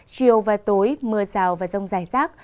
chiều và tối mưa rào và rông dài rác